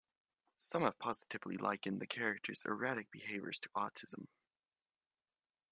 Some have positively likened the character's erratic behavior to autism.